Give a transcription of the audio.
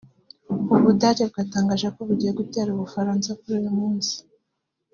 u Budage bwatangaje ko bugiye gutera ubufaransa kuri uyu munsi